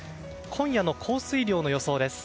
今夜の降水量の予想です。